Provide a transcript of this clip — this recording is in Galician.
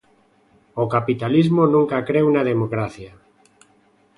O capitalismo nunca creu na democracia.